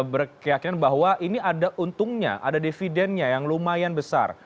berkeyakinan bahwa ini ada untungnya ada dividennya yang lumayan besar